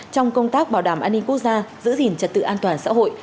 trong công tác bảo đảm an ninh quốc gia giữ gìn trật tự an toàn xã hội